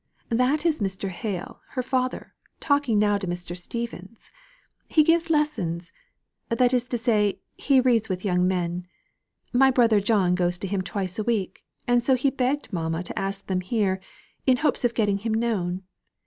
That is Mr. Hale, her father, talking now to Mr. Stephens. He gives lessons; that is to say, he reads with young men. My brother John goes to him twice a week, and so he begged mamma to ask them here, in hopes of getting him known.